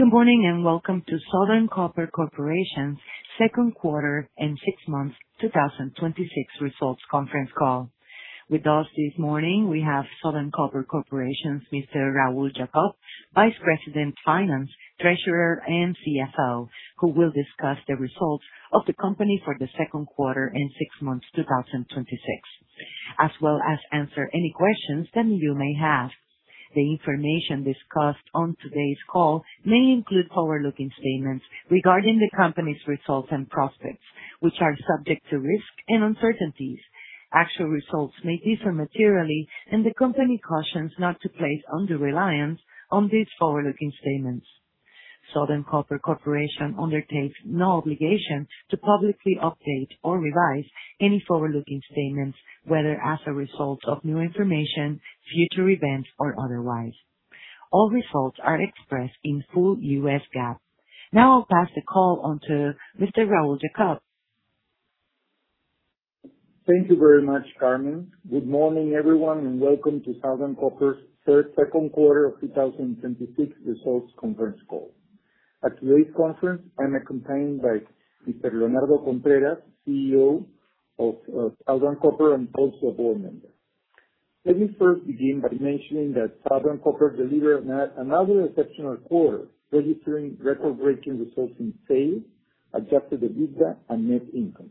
Good morning, and welcome to Southern Copper Corporation's Q2 and six months 2026 results conference call. With us this morning, we have Southern Copper Corporation's Mr. Raúl Jacob, Vice President of Finance, Treasurer, and CFO, who will discuss the results of the company for the Q2 and six months 2026, as well as answer any questions that you may have. The information discussed on today's call may include forward-looking statements regarding the company's results and prospects, which are subject to risk and uncertainties. Actual results may differ materially. The company cautions not to place undue reliance on these forward-looking statements. Southern Copper Corporation undertakes no obligation to publicly update or revise any forward-looking statements, whether as a result of new information, future events, or otherwise. All results are expressed in full US GAAP. I'll pass the call on to Mr. Raúl Jacob. Thank you very much, Carmen. Good morning, everyone. Welcome to Southern Copper's Q2 of 2026 results conference call. At today's conference, I'm accompanied by Mr. Leonardo Contreras, CEO of Southern Copper and also a board member. Let me first begin by mentioning that Southern Copper delivered another exceptional quarter, registering record-breaking results in sales, adjusted EBITDA, and net income.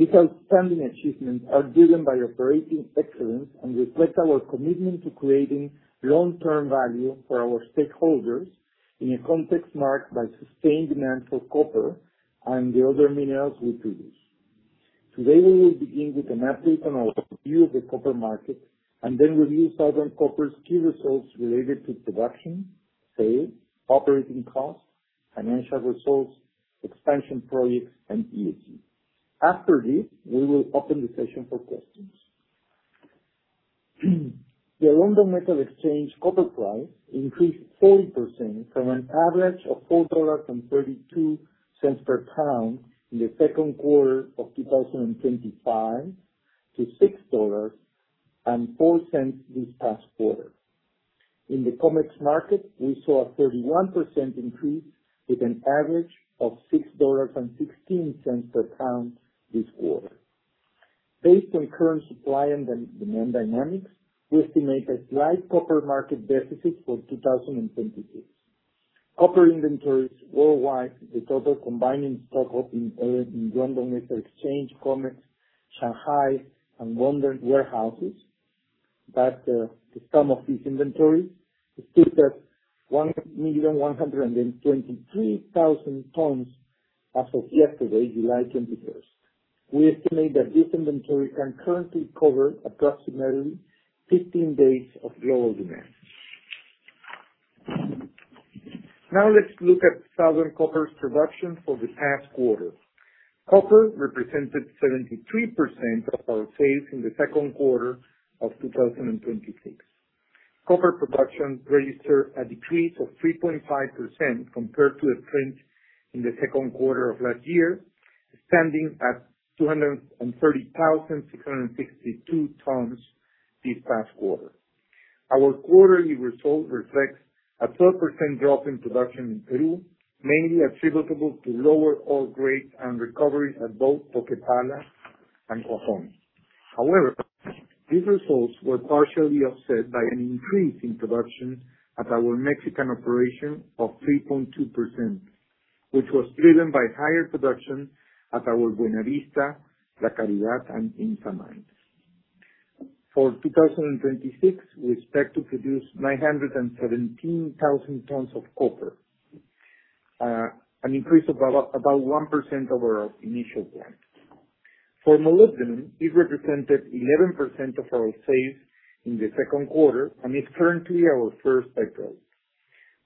These outstanding achievements are driven by operating excellence and reflect our commitment to creating long-term value for our stakeholders in a context marked by sustained demand for copper and the other minerals we produce. We will begin with an update and overview of the copper market and then review Southern Copper's key results related to production, sales, operating costs, financial results, expansion projects, and ESG. After this, we will open the session for questions. The London Metal Exchange copper price increased 30% from an average of $4.32 per pound in the Q2 of 2025 to $6.04 this past quarter. In the COMEX market, we saw a 31% increase with an average of $6.16 per pound this quarter. Based on current supply and demand dynamics, we estimate a slight copper market deficit for 2026. Copper inventories worldwide, the total combining stock held in London Metal Exchange, COMEX, Shanghai, and London warehouses, that the sum of these inventories sits at 1,123,000 tons as of yesterday, July 21st. We estimate that this inventory can currently cover approximately 15 days of global demand. Let's look at Southern Copper's production for the past quarter. Copper represented 73% of our sales in the Q2 of 2026. Copper production registered a decrease of 3.5% compared to the trend in the Q2 of last year, standing at 230,662 tons this past quarter. Our quarterly result reflects a 12% drop in production in Peru, mainly attributable to lower ore grades and recoveries at both Toquepala and Cuajone. These results were partially offset by an increase in production at our Mexican operation of 3.2%, which was driven by higher production at our Buenavista, La Caridad, and Inca mines. For 2026, we expect to produce 917,000 tons of copper, an increase of about 1% over our initial plan. For molybdenum, it represented 11% of our sales in the Q2 and is currently our first by-product.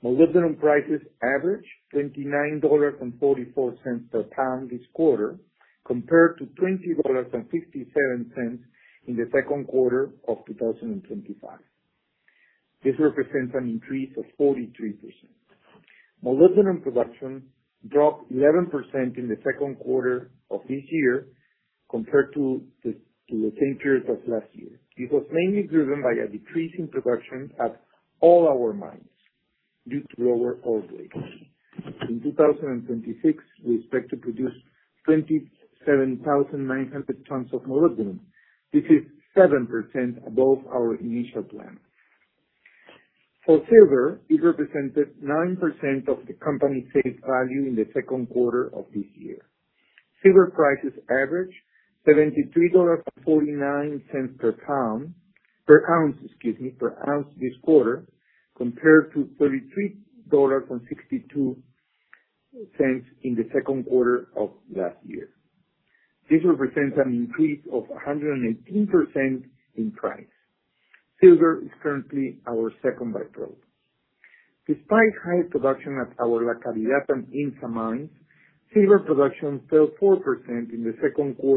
Molybdenum prices averaged $29.44 per pound this quarter, compared to $20.57 in the Q2 of 2025. This represents an increase of 43%. Molybdenum production dropped 11% in the Q2 of this year compared to the same period of last year. This was mainly driven by a decrease in production at all our mines due to lower ore grades. In 2026, we expect to produce 27,900 tons of molybdenum. This is 7% above our initial plan. For silver, it represented 9% of the company sales value in the Q2 of this year. Silver prices averaged $73.49 per ounce this quarter, compared to $33.62 in the Q2 of last year. This represents an increase of 118% in price. Silver is currently our second by-product. Despite high production at our La Caridad and Inca mines, silver production fell 4% in the Q2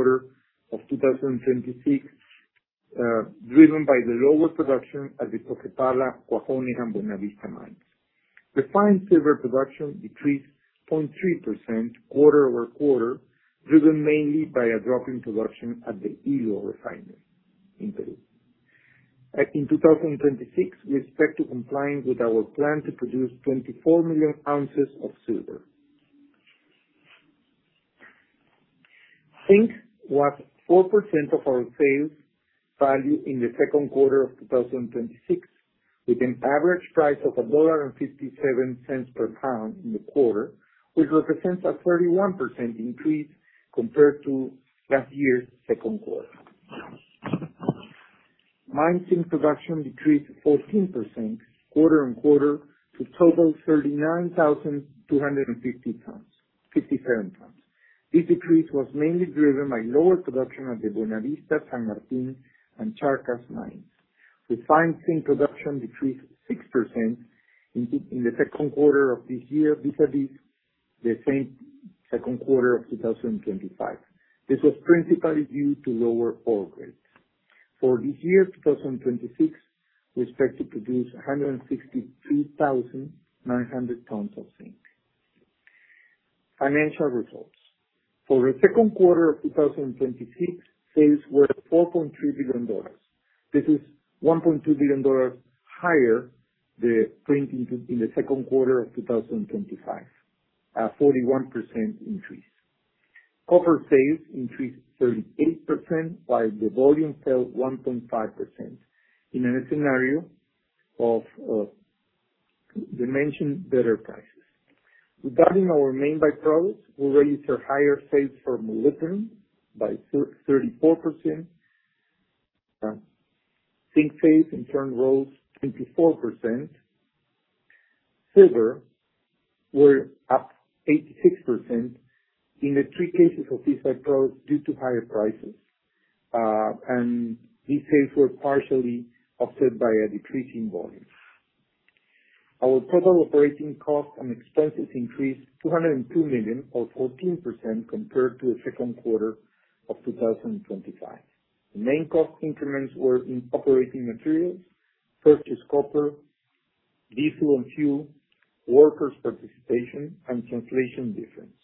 of 2026, driven by the lower production at the Toquepala, Cuajone, and Buenavista mines. Refined silver production decreased 0.3% quarter-over-quarter, driven mainly by a drop in production at the Ilo Refinery in Peru. In 2026, we expect to comply with our plan to produce 24 million ounces of silver. Zinc was 4% of our sales value in the Q2 of 2026, with an average price of $1.57 per pound in the quarter, which represents a 31% increase compared to last year's Q2. Mine zinc production decreased 14% quarter-on-quarter to total 39,250 tonnes. This decrease was mainly driven by lower production at the Buenavista, San Martin, and Charcas mines. Refined zinc production decreased 6% in the Q2 of this year vis-à-vis the same Q2 of 2025. This was principally due to lower ore grades. For this year, 2026, we expect to produce 163,900 tonnes of zinc. Financial results. For the Q2 of 2026, sales were $4.3 billion. This is $1.2 billion higher than printed in the Q2 of 2025, a 41% increase. Copper sales increased 38%, while the volume fell 1.5% in a scenario of the mentioned better prices. Regarding our main by-products, we registered higher sales for molybdenum by 34%. Zinc sales in turn rose 24%. Silver were up 86% in the three cases of these by-products due to higher prices, and these sales were partially offset by a decrease in volume. Our total operating costs and expenses increased $202 million or 14% compared to the Q2 of 2025. The main cost increments were in operating materials, purchased copper, diesel and fuel, workers' participation, and translation difference,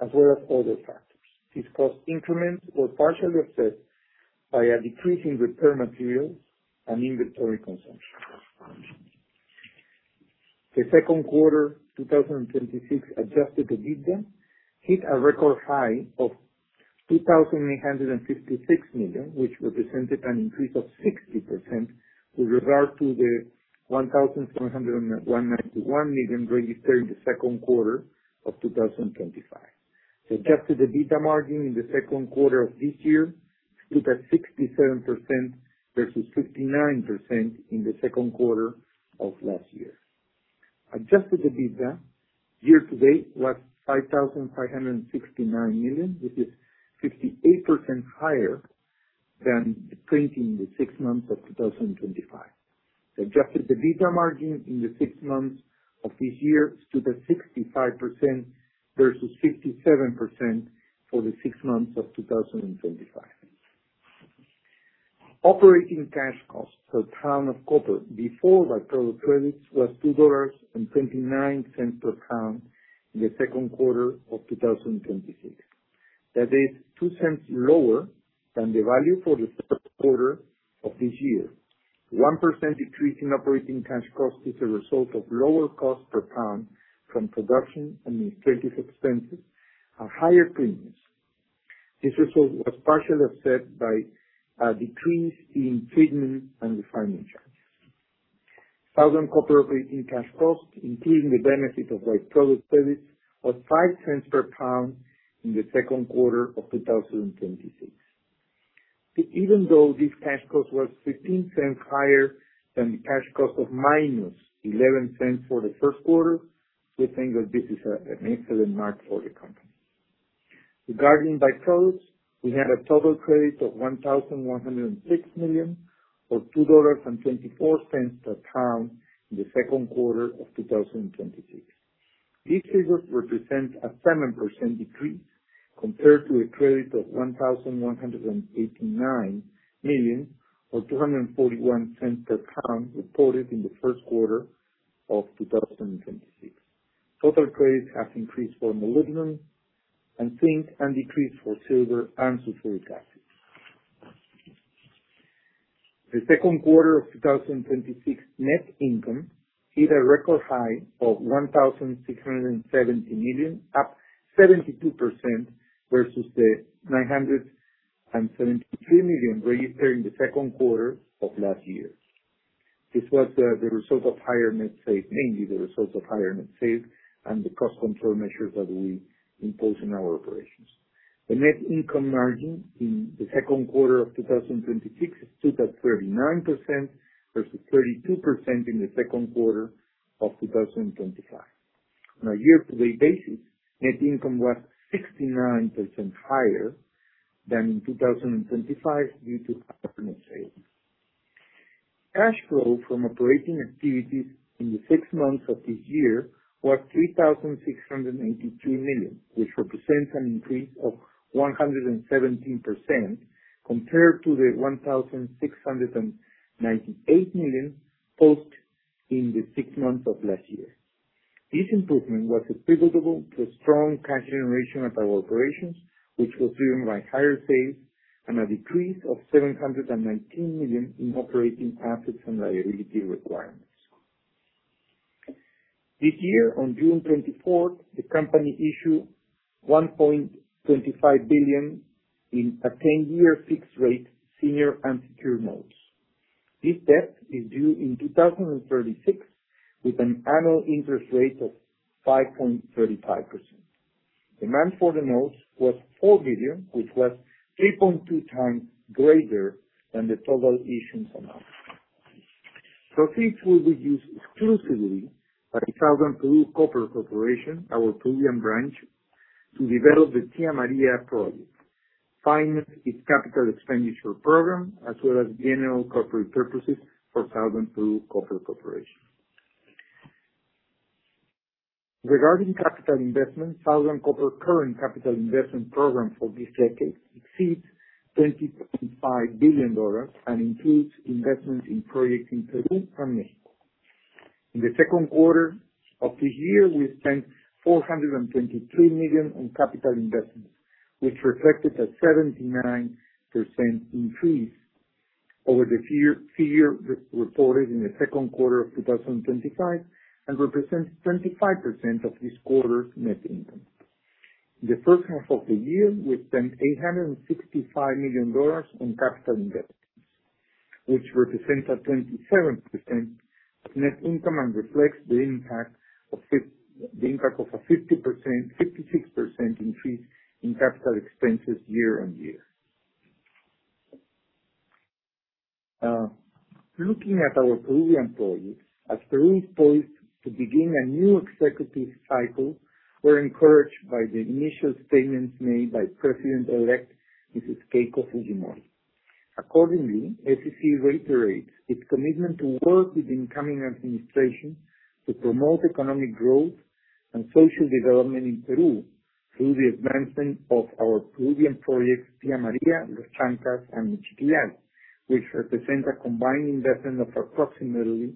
as well as other factors. These cost increments were partially offset by a decrease in repair materials and inventory consumption. The Q2 2026 adjusted EBITDA hit a record high of $2,956 million, which represented an increase of 60% with regard to the $1,791 million registered in the Q2 of 2025. The adjusted EBITDA margin in the Q2 of this year stood at 67% versus 59% in the Q2 of last year. Adjusted EBITDA year-to-date was $5,569 million, which is 58% higher than printed in the six months of 2025. The adjusted EBITDA margin in the six months of this year stood at 65% versus 57% for the six months of 2025. Operating cash cost per ton of copper before by-product credits was $2.29 per ton in the Q2 of 2026. That is $0.02 lower than the value for the Q1 of this year. The 1% decrease in operating cash cost is a result of lower cost per ton from production and administrative expenses and higher premiums. This result was partially offset by a decrease in treatment and refining charges. Southern Copper operating cash costs, including the benefit of by-product credits, was $0.05 per ton in the Q2 of 2026. Even though this cash cost was $0.15 higher than the cash cost of -$0.11 for the Q1, we think that this is an excellent mark for the company. Regarding by-products, we had a total credit of $1,106 million or $2.24 per ton in the Q2 of 2026. These figures represent a 7% decrease compared to a credit of $1,189 million or $2.41 per ton reported in the Q1 of 2026. Total credits have increased for molybdenum and zinc, and decreased for silver and sulfuric acid. The Q2 of 2026 net income hit a record high of $1,670 million, up 72% versus the $973 million registered in the Q2 of last year. This was mainly the result of higher net sales and the cost control measures that we imposed in our operations. The net income margin in the Q2 of 2026 stood at 39% versus 32% in the Q2 of 2025. On a year-to-date basis, net income was 69% higher than in 2025 due to higher net sales. Cash flow from operating activities in the six months of this year was $3,682 million, which represents an increase of 117% compared to the $1,698 million posted in the six months of last year. This improvement was attributable to strong cash generation of our operations, which was driven by higher sales and a decrease of $719 million in operating assets and liability requirements. This year, on June 24th, the company issued $1.25 billion in a 10-year fixed rate senior unsecured notes. This debt is due in 2036 with an annual interest rate of 5.35%. Demand for the notes was $4 billion, which was 3.2x greater than the total issued amount. Proceeds will be used exclusively by Southern Peru Copper Corporation, our Peruvian branch, to develop the Tia Maria project, finance its capital expenditure program, as well as general corporate purposes for Southern Peru Copper Corporation. Regarding capital investment, Southern Copper current capital investment program for this decade exceeds $20.5 billion and includes investments in projects in Peru and Mexico. In the Q2 of the year, we spent $423 million on capital investments, which reflected a 79% increase over the figure reported in the Q2 of 2025 and represents 25% of this quarter's net income. In the first half of the year, we spent $865 million on capital investments, which represents a 27% net income and reflects the impact of a 56% increase in capital expenses year-on-year. Looking at our Peruvian projects, as Peru is poised to begin a new executive cycle, we're encouraged by the initial statements made by President-elect Keiko Fujimori. Accordingly, SCC reiterates its commitment to work with incoming administration to promote economic growth and social development in Peru through the advancement of our Peruvian projects, Tia Maria, Los Chancas, and Michiquillay, which represent a combined investment of approximately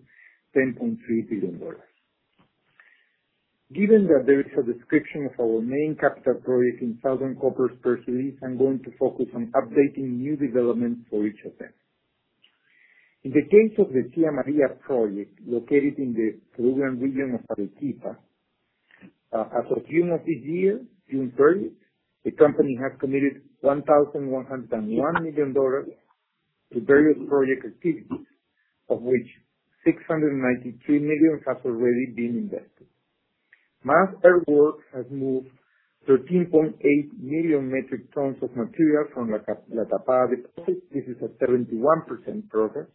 $10.3 billion. Given that there is a description of our main capital projects in Southern Copper's pursuit, I'm going to focus on updating new developments for each of them. In the case of the Tia Maria project, located in the Peruvian region of Arequipa. As of June of this year, June 30th, the company has committed $1.101 million to various project activities, of which $693 million has already been invested. Mass earthwork has moved 13.8 million metric tons of material from the Toquepala Deposit. This is a 71% progress.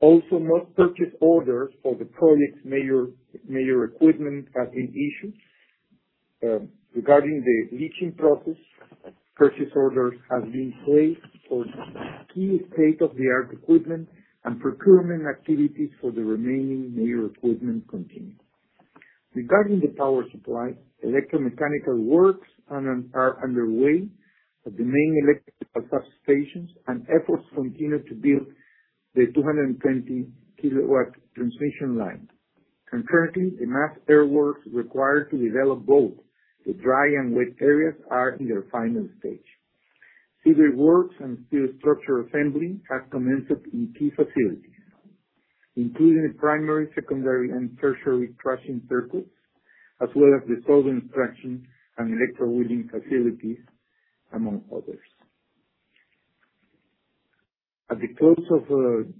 Also most purchase orders for the project's major equipment have been issued. Regarding the leaching process, purchase orders have been placed for key state-of-the-art equipment and procurement activities for the remaining major equipment continue. Regarding the power supply, electromechanical works are underway at the main electrical substations and efforts continue to build the 220-kilowatt transmission line. Currently, the mass earthworks required to develop both the dry and wet areas are in their final stage. Civil works and steel structure assembly have commenced in key facilities, including the primary, secondary, and tertiary crushing circuits, as well as the solvent extraction and electrowinning facilities, among others. At the close of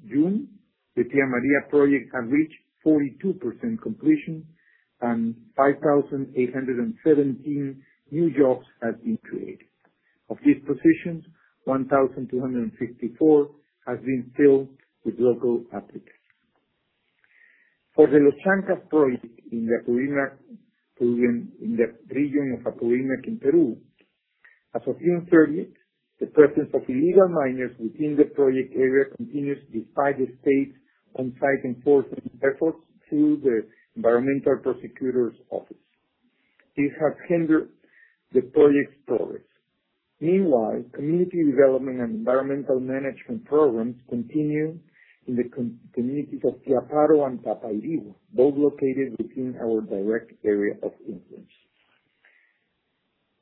June, the Tia Maria project had reached 42% completion and 5,817 new jobs have been created. Of these positions, 1,254 have been filled with local applicants. For the Los Chancas project in the Apurímac, Peruvian, in the region of Apurímac in Peru, as of June 30th, the presence of illegal miners within the project area continues despite the state on-site enforcement efforts through the environmental prosecutor's office. This has hindered the project's progress. Meanwhile, community development and environmental management programs continue in the communities of Chaparro and Capayllo, both located within our direct area of influence.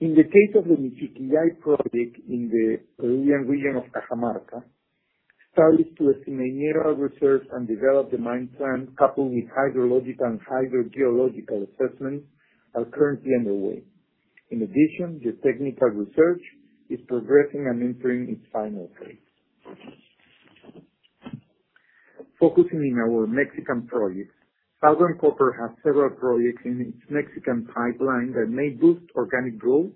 In the case of the Michiquillay project in the Peruvian region of Cajamarca, studies to estimate mineral reserve and develop the mine plan coupled with hydrologic and hydrogeological assessments are currently underway. In addition, the technical research is progressing and entering its final phase. Focusing in our Mexican projects, Southern Copper has several projects in its Mexican pipeline that may boost organic growth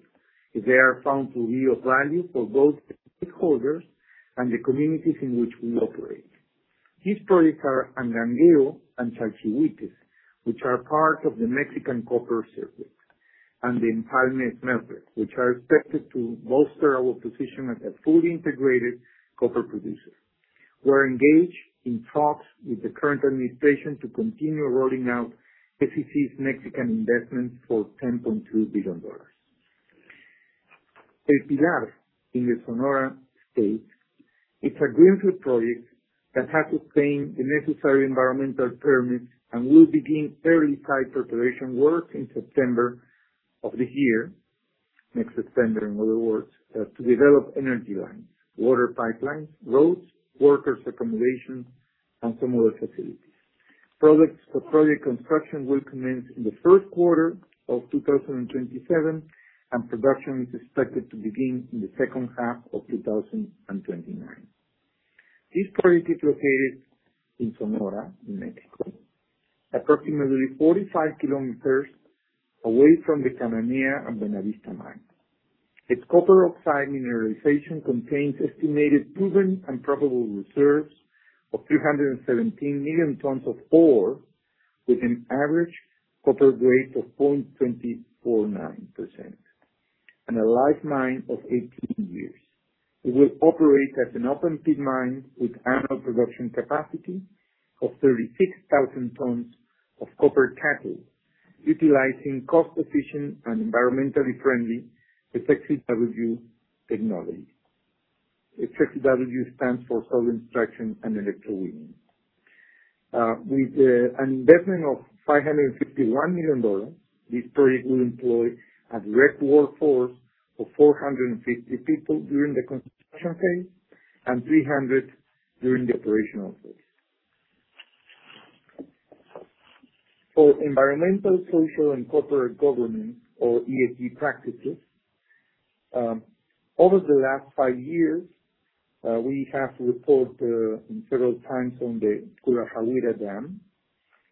if they are found to be of value for both the stakeholders and the communities in which we operate. These projects are Angangueo and Chalchihuites, which are part of the Mexican copper circuit, and the Pilares network, which are expected to bolster our position as a fully integrated copper producer. We're engaged in talks with the current administration to continue rolling out SCC's Mexican investments for $10.2 billion. El Pilar in the Sonora State. It's a greenfield project that has obtained the necessary environmental permits and will begin very site preparation work in September of the year. Next September, in other words, to develop energy lines, water pipelines, roads, workers' accommodations, and similar facilities. Project construction will commence in the Q1 of 2027, and production is expected to begin in the second half of 2029. This project is located in Sonora, in Mexico, approximately 45 kilometers away from the Cananea and the Buenavista mine. Its copper oxide mineralization contains estimated proven and probable reserves of 317 million tons of ore, with an average copper grade of 0.249% and a life mine of 18 years. It will operate as an open pit mine with annual production capacity of 36,000 tons of copper cathode, utilizing cost-efficient and environmentally friendly SX-EW technology. SX-EW stands for cold extraction and electrowinning. With an investment of $551 million, this project will employ a direct workforce of 450 people during the construction phase and 300 during the operational phase. For environmental, social, and corporate governance or ESG practices, over the last 5 years, we have reported several times on the Cularjahuira Dam,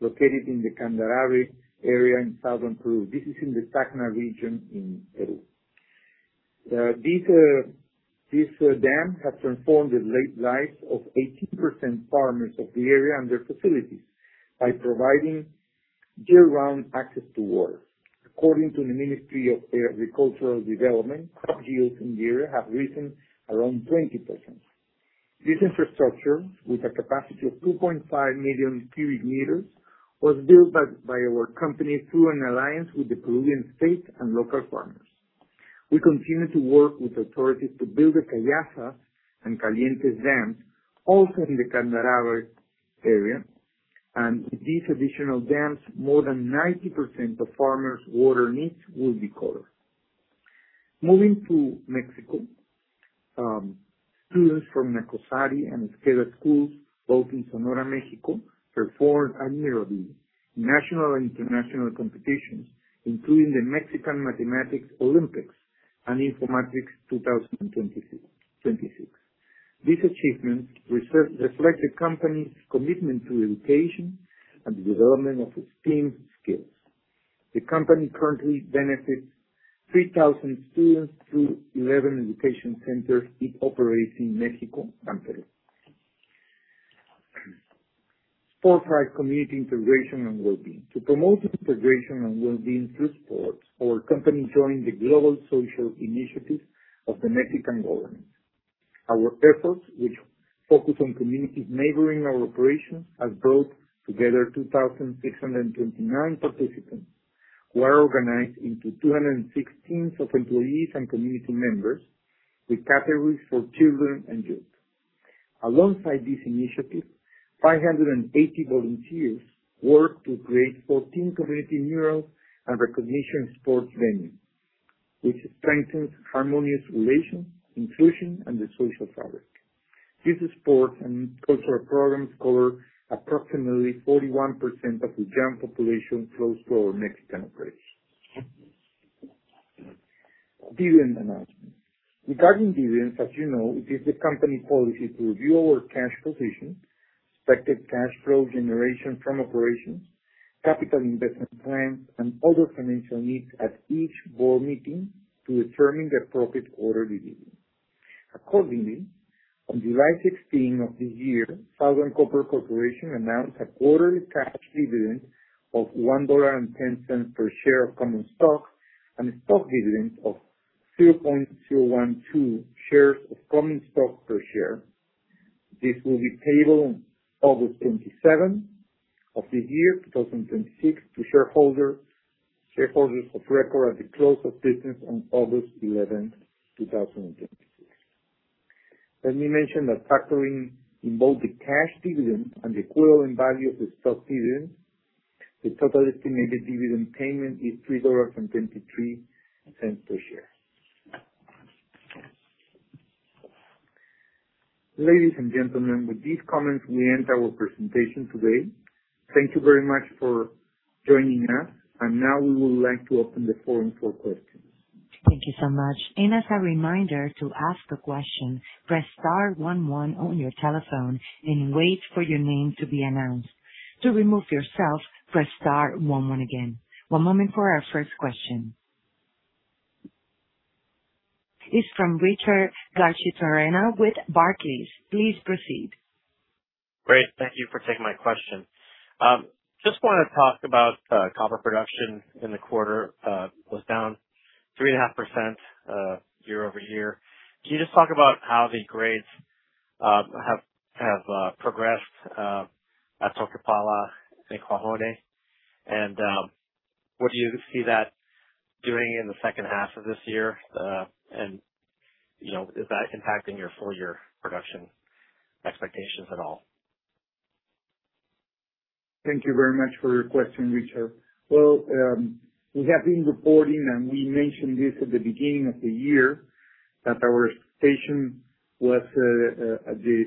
located in the Candarave area in southern Peru. This is in the Tacna region in Peru. This dam has transformed the lives of 80% farmers of the area and their facilities by providing year-round access to water. According to the Ministry of Agricultural Development, crop yields in the area have risen around 20%. This infrastructure, with a capacity of 2.5 million cubic meters, was built by our company through an alliance with the Peruvian state and local farmers. We continue to work with authorities to build the Callazas and Calientes Dams, also in the Candarave area. With these additional dams, more than 90% of farmers' water needs will be covered. Moving to Mexico, students from the COBACH and Esqueda schools, both in Sonora, Mexico, performed admirably in national and international competitions, including the Mexican Mathematics Olympiad and Infomatrix 2026. These achievements reflect the company's commitment to education and the development of STEAM skills. The company currently benefits 3,000 students through 11 education centers it operates in Mexico and Peru. Sports drive community integration and wellbeing. To promote integration and wellbeing through sports, our company joined the global social initiative of the Mexican government. Our efforts, which focus on communities neighboring our operations, have brought together 2,629 participants who are organized into 206 teams of employees and community members with categories for children and youth. Alongside this initiative, 580 volunteers work to create 14 community murals and recognition sports venues, which strengthens harmonious relations, inclusion, and the social fabric. These sports and cultural programs cover approximately 41% of the young population close to our Mexican operations. Dividend announcements. Regarding dividends, as you know, it is the company policy to review our cash position, expected cash flow generation from operations, capital investment plans, and other financial needs at each board meeting to determine the appropriate quarter dividend. Accordingly, on July 16 of this year, Southern Copper Corporation announced a quarterly cash dividend of $1.10 per share of common stock and a stock dividend of 0.012 shares of common stock per share. This will be payable on August 27 of this year, 2026, to shareholders of record at the close of business on August 11, 2026. Let me mention that factoring in both the cash dividend and the equivalent value of the stock dividend, the total estimated dividend payment is $3.23 per share. Ladies and gentlemen, with these comments, we end our presentation today. Thank you very much for joining us. Now we would like to open the floor for questions. Thank you so much. As a reminder, to ask a question, press star one one on your telephone and wait for your name to be announced. To remove yourself, press star one one again. One moment for our first question. It's from Richard Garchitorena with Barclays. Please proceed. Great. Thank you for taking my question. Just want to talk about copper production in the quarter. Was down 3.5% year-over-year. Can you just talk about how the grades have progressed at Toquepala, in Cuajone. What do you see that doing in the second half of this year? Is that impacting your full year production expectations at all? Thank you very much for your question, Richard. Well, we have been reporting, and we mentioned this at the beginning of the year, that our expectation was at the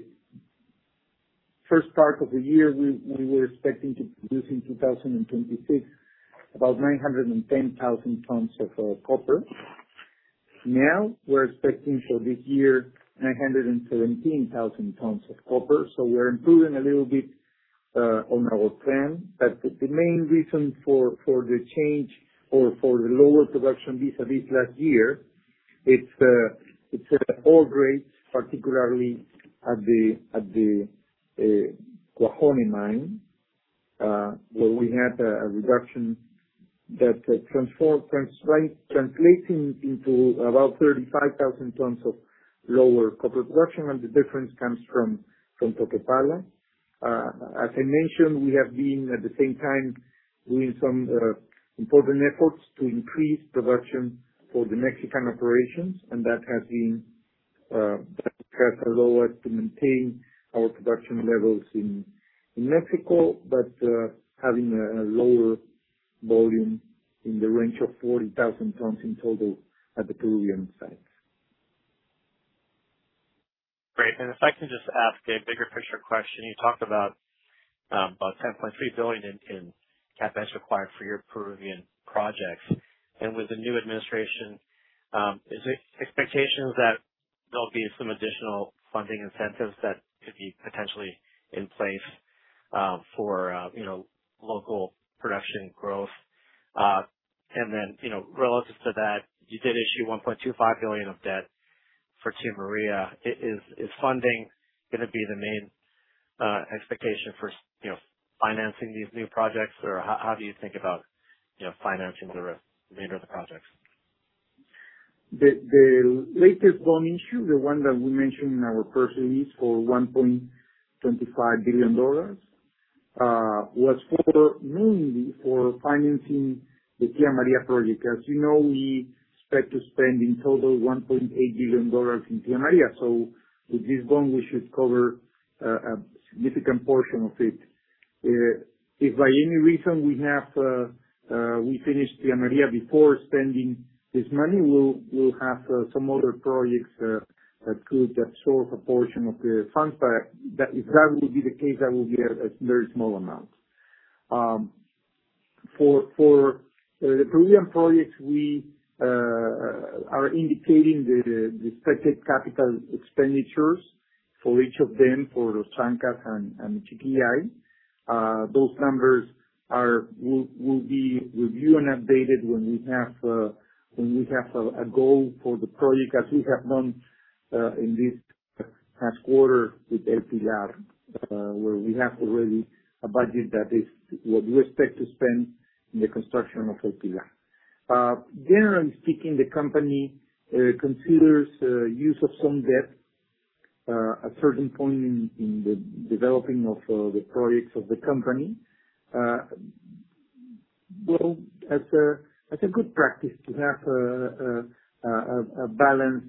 first part of the year, we were expecting to produce in 2026 about 910,000 tons of copper. Now we're expecting for this year 917,000 tons of copper. We are improving a little bit on our plan. The main reason for the change or for the lower production vis-a-vis last year, it's the ore grades, particularly at the Cuajone Mine, where we had a reduction that translating into about 35,000 tons of lower copper production, and the difference comes from Toquepala. As I mentioned, we have been, at the same time, doing some important efforts to increase production for the Mexican operations, and that has allowed us to maintain our production levels in Mexico, but having a lower volume in the range of 40,000 tons in total at the Peruvian sites. Great. If I can just ask a bigger picture question. You talked about $10.3 billion in CapEx required for your Peruvian projects. With the new administration, is the expectation that there will be some additional funding incentives that could be potentially in place for local production growth? Relative to that, you did issue $1.25 billion of debt for Tia Maria. Is funding going to be the main expectation for financing these new projects? How do you think about financing the rest, major of the projects? The latest bond issue, the one that we mentioned in our press release for $1.25 billion, was for mainly for financing the Tia Maria project. As you know, we expect to spend in total $1.8 billion in Tia Maria. With this bond, we should cover a significant portion of it. If by any reason we finish Tia Maria before spending this money, we will have some other projects that could absorb a portion of the funds. If that will be the case, that will be a very small amount. For the Peruvian projects, we are indicating the expected capital expenditures for each of them, for Los Chancas and Michiquillay. Those numbers will be reviewed and updated when we have a goal for the project, as we have done in this past quarter with El Pilar, where we have already a budget that is what we expect to spend in the construction of El Pilar. Generally speaking, the company considers use of some debt at certain point in the developing of the projects of the company. Well, as a good practice to have a balance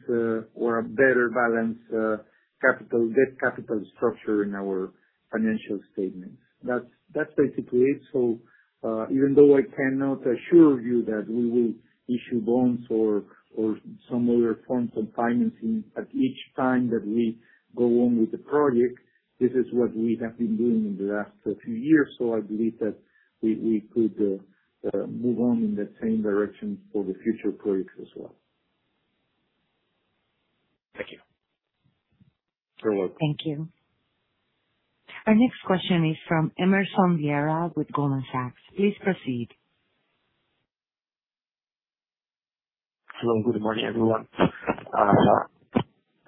or a better balanced capital, debt capital structure in our financial statements. That's basically it. Even though I cannot assure you that we will issue bonds or some other forms of financing at each time that we go on with the project, this is what we have been doing in the last few years. I believe that we could move on in the same direction for the future projects as well. Thank you. You're welcome. Thank you. Our next question is from Emerson Vieira with Goldman Sachs. Please proceed. Hello, good morning, everyone.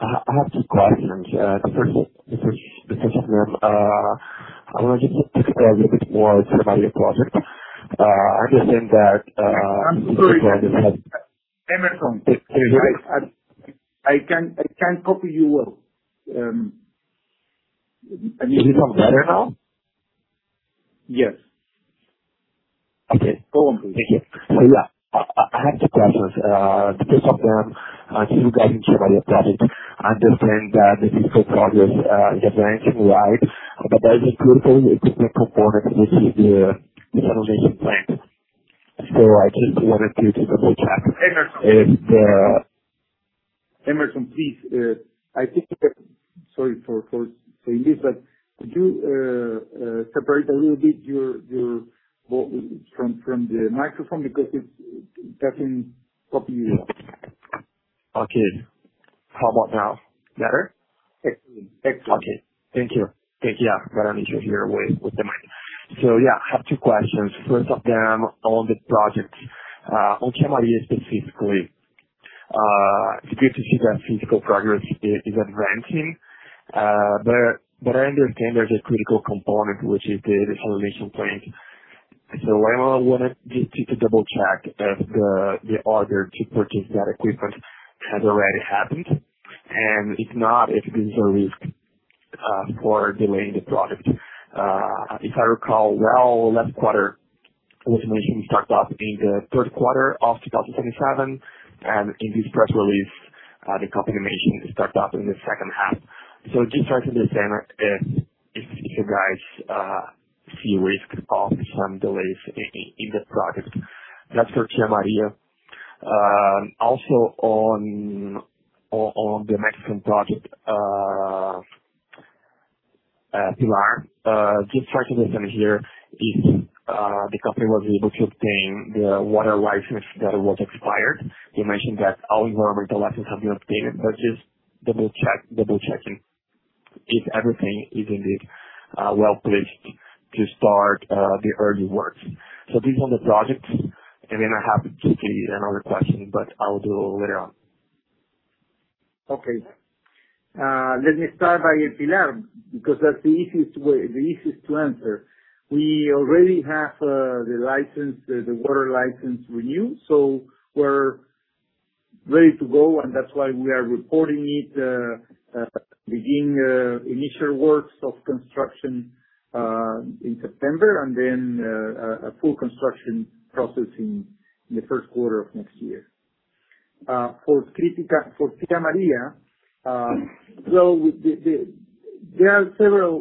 I have two questions. The first of them, I want to just talk a little bit more about your project. I'm sorry, Emerson. Can you hear me? I can't copy you well. Is it better now? Yes. Okay. Go on, please. Thank you. Yeah, I have two questions. The first of them is regarding Tia Maria project. I understand that the physical progress is advancing, right? There is a critical equipment component, which is the desalination plant. I just wanted to double-check- Emerson If- Emerson, please. Sorry for saying this, could you separate a little bit your voice from the microphone because it doesn't copy you well. Okay. How about now? Better? Excellent. Okay. Thank you. Yeah, got an issue here with the mic. Yeah, I have two questions. First of them on the project, on Tia Maria specifically. It's good to see that physical progress is advancing, I understand there's a critical component, which is the desalination plant. I wanted just to double-check if the order to purchase that equipment has already happened, and if not, if this is a risk for delaying the product. If I recall well, last quarter, inaudible starts off in the Q3 of 2027, and in this press release, the company mentioned it starts off in the second half. Just trying to understand if you guys see risk of some delays in this project. That's for Tia Maria. On the Mexican project, El Pilar, just trying to understand here if the company was able to obtain the water license that was expired. You mentioned that all your licenses have been obtained, but just double-checking if everything is indeed well-placed to start the early works. These are the projects. I have quickly another question, but I'll do later on. Okay. Let me start by El Pilar, because that's the easiest to answer. We already have the water license renewed, so we're ready to go, and that's why we are reporting it, beginning initial works of construction in September, and then a full construction process in the Q1 of next year. For Tia Maria,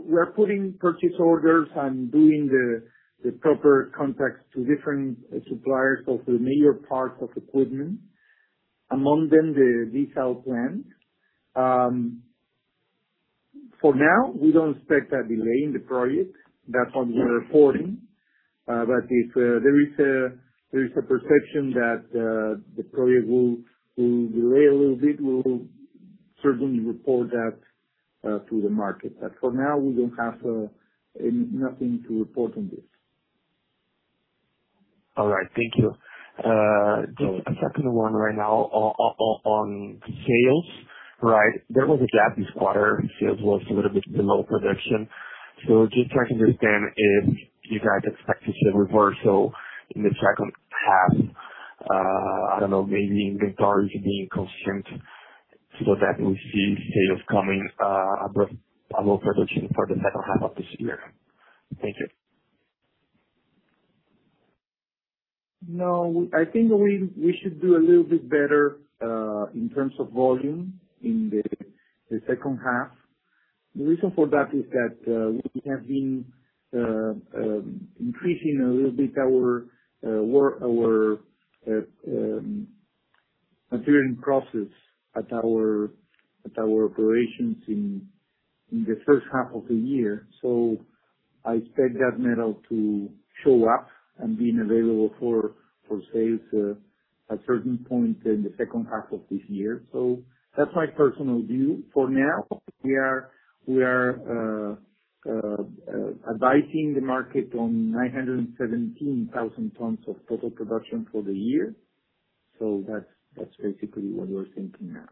we're putting purchase orders and doing the proper contracts to different suppliers of the major parts of equipment, among them, the desal plant. For now, we don't expect a delay in the project. That's what we're reporting. If there is a perception that the project will delay a little bit, we'll certainly report that to the market. For now, we don't have nothing to report on this. All right. Thank you. Just a second one right now on sales. There was a gap this quarter. Sales was a little bit below prediction. Just trying to understand if you guys expect to see a reversal in the second half. I don't know, maybe inventories being consumed so that we see sales coming above production for the second half of this year. Thank you. No, I think we should do a little bit better, in terms of volume in the second half. The reason for that is that we have been increasing a little bit our material process at our operations in the first half of the year. I expect that metal to show up and be available for sale at certain point in the second half of this year. That's my personal view. For now, we are advising the market on 917,000 tons of total production for the year. That's basically what we're thinking now.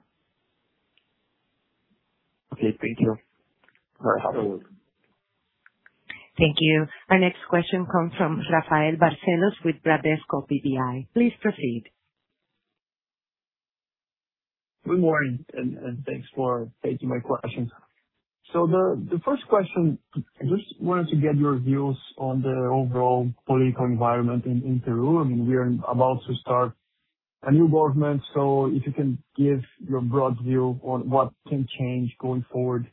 Okay, thank you. You're welcome. Thank you. Our next question comes from Rafael Barcellos with Bradesco BBI. Please proceed. Good morning, thanks for taking my questions. The first question, I just wanted to get your views on the overall political environment in Peru. I mean, we are about to start a new government, if you can give your broad view on what can change going forward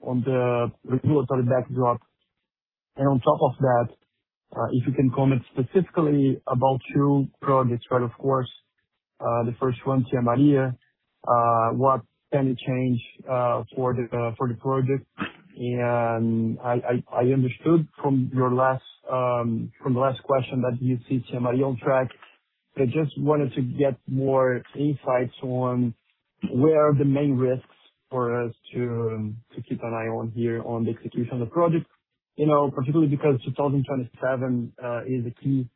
on the regulatory backdrop. On top of that, if you can comment specifically about two projects, of course. The first one, Tia Maria, what any change for the project. I understood from the last question that you see Tia Maria on track. I just wanted to get more insights on where are the main risks for us to keep an eye on here on the execution of the project. Particularly because 2027 is a key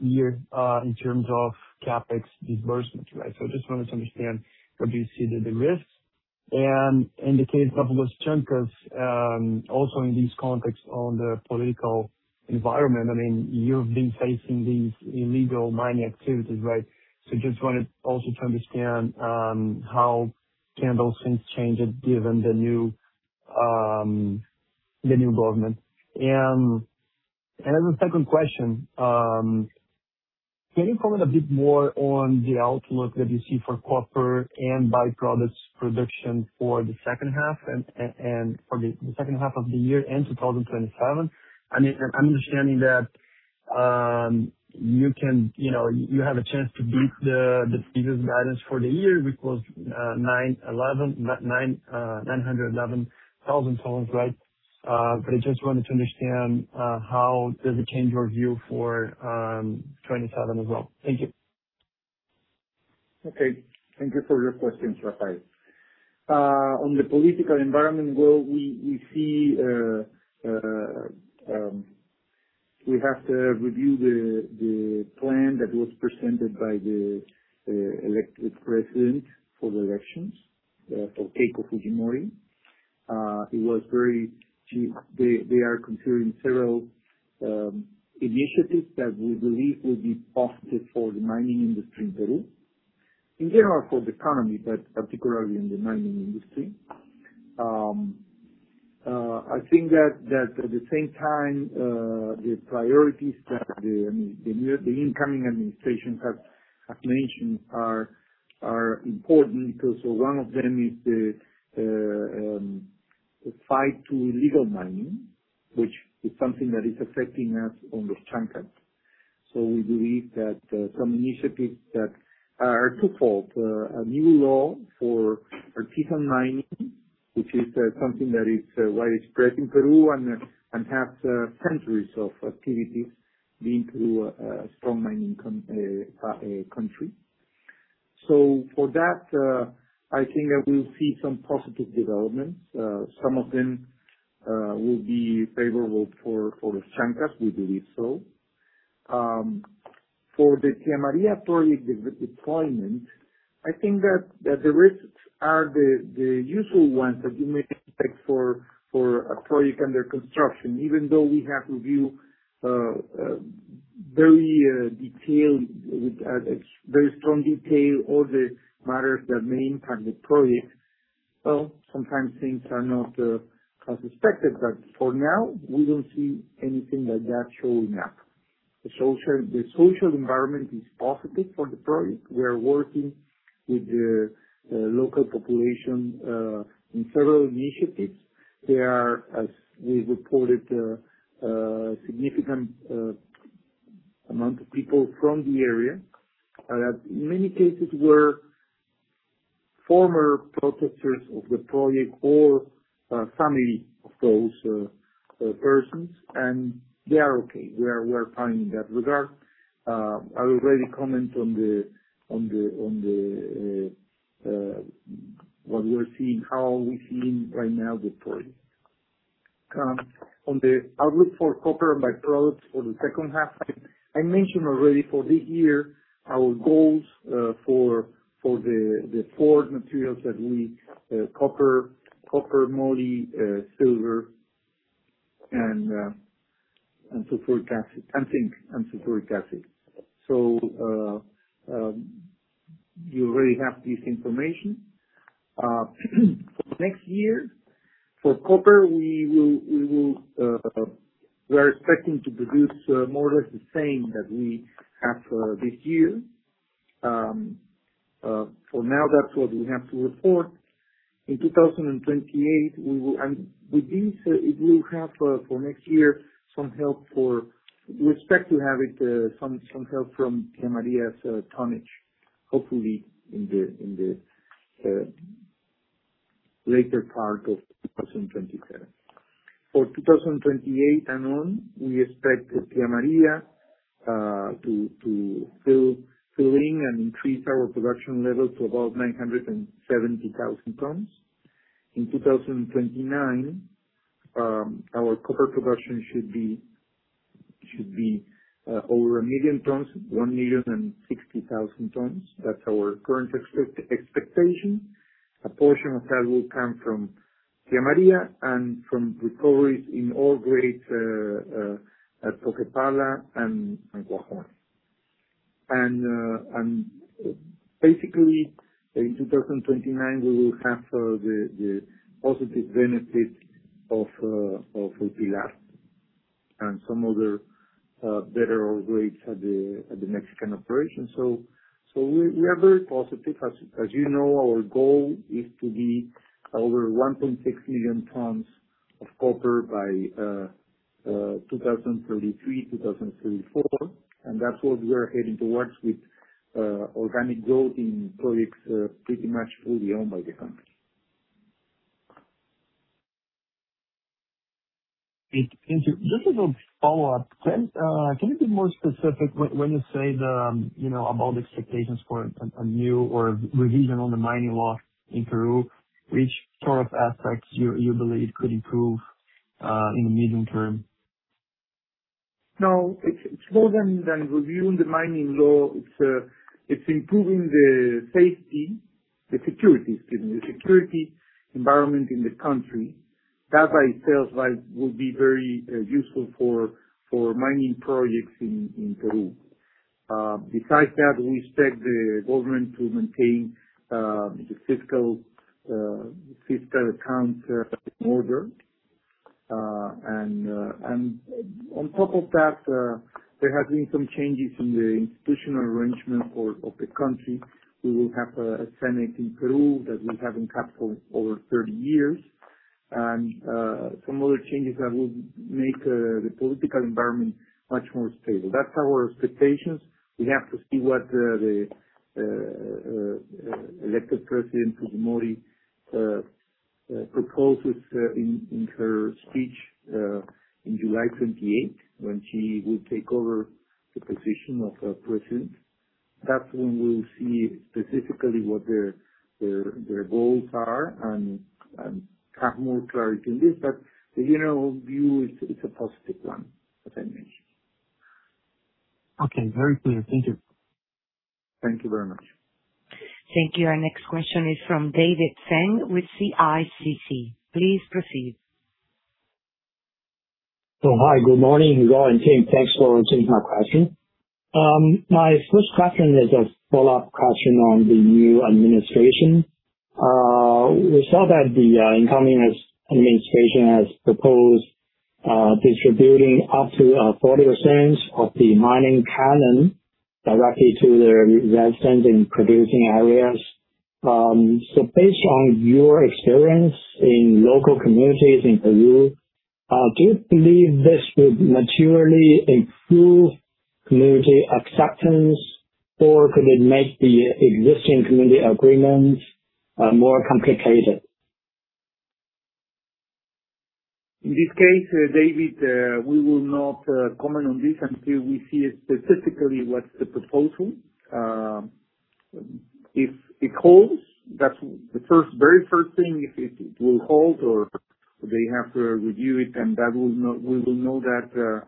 year in terms of CapEx disbursement. I just wanted to understand where do you see the risks. In the case of Los Chancas, also in this context on the political environment. You've been facing these illegal mining activities. Just wanted also to understand how can those things change given the new government. As a second question, can you comment a bit more on the outlook that you see for copper and by-products production for the second half of the year and 2027? I'm understanding that you have a chance to beat the previous guidance for the year, which was 911,000 tons. I just wanted to understand how does it change your view for 2027 as well. Thank you. Okay. Thank you for your questions, Rafael. On the political environment, well, we have to review the plan that was presented by the elected president for the elections, Keiko Fujimori. It was very few. They are considering several initiatives that we believe will be positive for the mining industry in Peru. In general for the economy, but particularly in the mining industry. I think that at the same time, the priorities that the incoming administration have mentioned are important because one of them is the fight to illegal mining, which is something that is affecting us. We believe that some initiatives that are twofold. A new law for artisan mining, which is something that is widespread in Peru, and has centuries of activities being true, a strong mining country. For that, I think that we'll see some positive developments. Some of them will be favorable. We believe so. For the Tia Maria project deployment, I think that the risks are the usual ones that you may expect for a project under construction, even though we have reviewed very strong detail all the matters that may impact the project. Well, sometimes things are not as expected, but for now, we don't see anything like that showing up. The social environment is positive for the project. We are working with the local population in several initiatives. There are, as we reported, a significant amount of people from the area, that in many cases were former protesters of the project or family of those persons. They are okay. We are fine in that regard. I already comment on what we are seeing, how we're seeing right now the project. On the outlook for copper and by-products for the second half, I mentioned already for this year our goals for the four materials that we copper, moly, silver, zinc and sulfuric acid. You already have this information. For next year, for copper, we're expecting to produce more or less the same that we have for this year. For now, that's what we have to report. We expect to have some help from Tia Maria's tonnage, hopefully in the later part of 2027. For 2028 and on, we expect Tia Maria to fill in and increase our production level to about 970,000 tons. In 2029, our copper production should be over 1 million tons, 1,060,000 tons. That's our current expectation. A portion of that will come from Tia Maria and from recoveries in all grades at Toquepala and Huaj Mark. Basically, in 2029, we will have the positive benefit of Pillap and some other better ore grades at the Mexican operations. We are very positive. As you know, our goal is to be over 1.6 million tons of copper by 2033, 2034. That's what we are heading towards with organic growth in projects pretty much fully owned by the company. Thank you. Just as a follow-up, can you be more specific when you say about expectations for a new or revision on the mining law in Peru, which sort of aspects you believe could improve in the medium term? No, it's more than reviewing the mining law. It's improving the safety, the security environment in the country. That by itself will be very useful for mining projects in Peru. Besides that, we expect the government to maintain the fiscal accounts in order. On top of that, there have been some changes in the institutional arrangement of the country. We will have a senate in Peru that we haven't had for over 30 years. Some other changes that will make the political environment much more stable. That's our expectations. We have to see what the elected president, Fujimori, proposes in her speech, in July 28th when she will take over the position of president. That's when we'll see specifically what their goals are and have more clarity on this. The general view is a positive one, as I mentioned. Okay, very clear. Thank you. Thank you very much. Thank you. Our next question is from David Zeng with CICC. Please proceed. Hi. Good morning, Raúl and team. Thanks for answering our question. My first question is a follow-up question on the new administration. We saw that the incoming administration has proposed distributing up to 40% of the canon minero directly to the residents in producing areas. Based on your experience in local communities in Peru, do you believe this would materially improve community acceptance, or could it make the existing community agreements more complicated? In this case, David, we will not comment on this until we see specifically what's the proposal. If it holds, that's the very first thing, if it will hold or they have to review it, and we will know that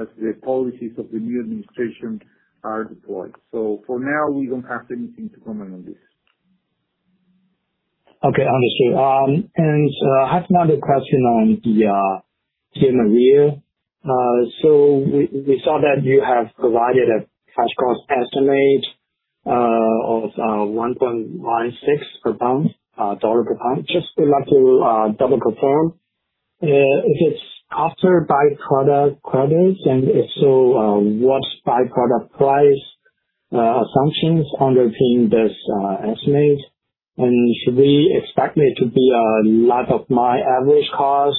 as the policies of the new administration are deployed. For now, we don't have anything to comment on this. Okay, understood. I have another question on Tia Maria. We saw that you have provided a cash cost estimate of $1.16 per pound. Just would like to double confirm if it's after by-product credits and if so, what by-product price assumptions underpin this estimate. Should we expect it to be a lot of my average cost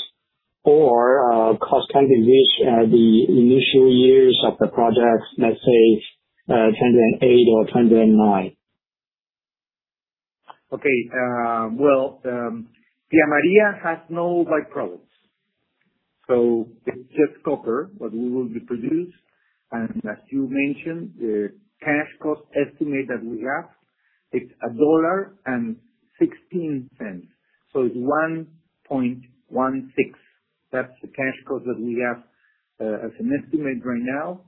or cost can be reached at the initial years of the project, let's say, 2008 or 2009? Okay. Well, Tia Maria has no by-products. It's just copper, what we will be producing. As you mentioned, the cash cost estimate that we have is $1.16. It's 1.16. That's the cash cost that we have as an estimate right now.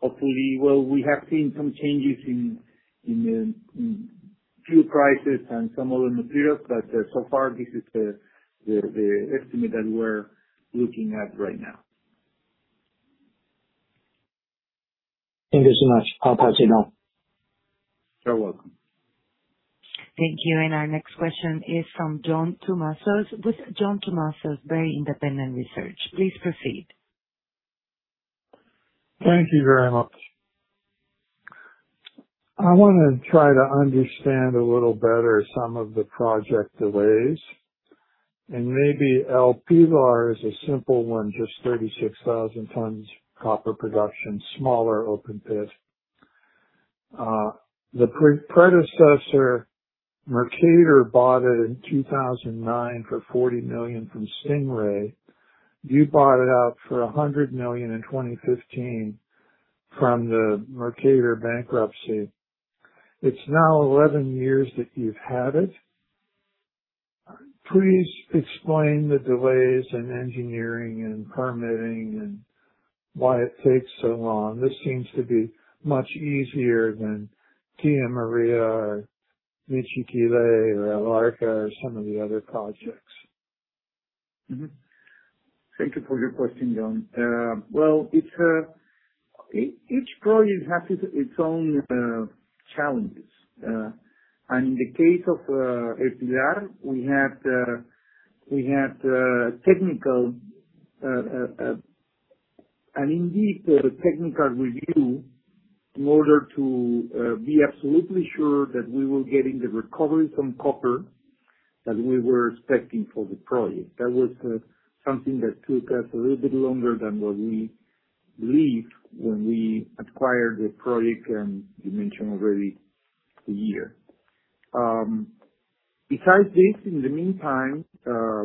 Hopefully, well, we have seen some changes in the fuel prices and some other materials, but so far, this is the estimate that we're looking at right now. Thank you so much. I'll pass it now. You're welcome. Thank you. Our next question is from John Tumazos with John Tumazos Very Independent Research. Please proceed. Thank you very much. I want to try to understand a little better some of the project delays, and maybe El Pilar is a simple one, just 36,000 tons copper production, smaller open pit. The predecessor, Mercator, bought it in 2009 for $40 million from Stingray. You bought it out for $100 million in 2015 from the Mercator bankruptcy. It's now 11 years that you've had it. Please explain the delays in engineering and permitting and why it takes so long. This seems to be much easier than Tia Maria or Michiquillay or El Arco or some of the other projects. Thank you for your question, John. Well, each project has its own challenges. In the case of El Pilar, we had an in-depth technical review in order to be absolutely sure that we were getting the recovery from copper that we were expecting for the project. That was something that took us a little bit longer than what we believed when we acquired the project, and you mentioned already the year. Besides this, in the meantime,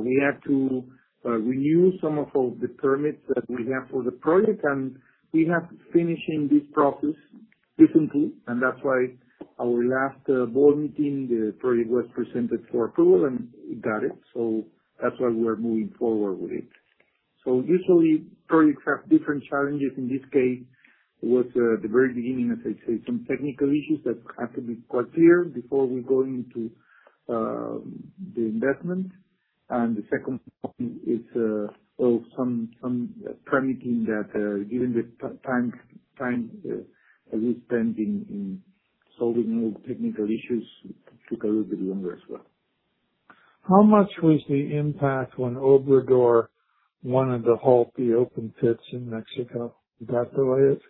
we had to renew some of the permits that we have for the project, and we have finishing this process recently, and that's why our last board meeting, the project was presented for approval, and we got it. That's why we are moving forward with it. Usually projects have different challenges. In this case, it was the very beginning, as I say, some technical issues that have to be quite clear before we go into the investment. The second point is some permitting that given the time that we spent in solving those technical issues, took a little bit longer as well. How much was the impact when Obrador wanted to halt the open pits in Mexico? Did that delay it?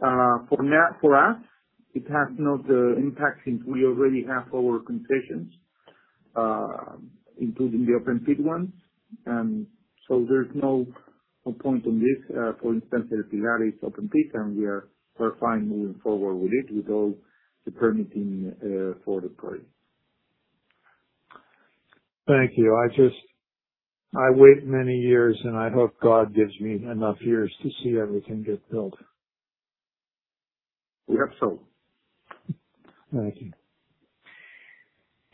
For us, it has no impact since we already have our concessions, including the open pit ones. There's no point on this. For instance, El Pilar is open pit, and we are fine moving forward with it with all the permitting for the project. Thank you. I wait many years, and I hope God gives me enough years to see everything get built. We hope so. Thank you.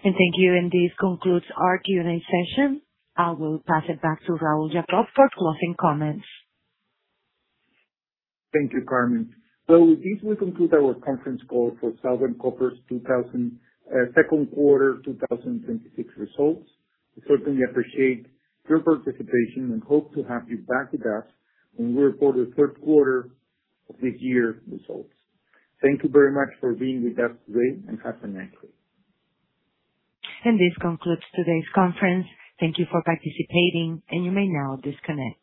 Thank you. This concludes our Q&A session. I will pass it back to Raúl Jacob for closing comments. Thank you, Carmen. With this, we conclude our conference call for Southern Copper's Q2 2026 results. We certainly appreciate your participation and hope to have you back with us when we report the Q3 of this year's results. Thank you very much for being with us today, and have a nice day. This concludes today's conference. Thank you for participating, and you may now disconnect.